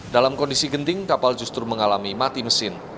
dalam kondisi genting kapal justru mengalami mati mesin